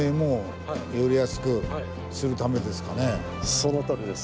そのとおりです